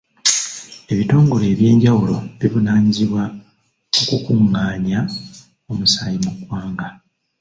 Ebitongole ebyenjawulo bivunaanyizibwa ku kukungaanya omusaayi mu ggwanga.